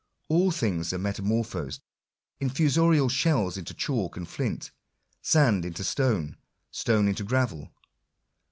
All things are metamorphosed; infusorial shells into chalk and flint, sand into stone, stone into gravel.